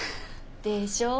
でしょう？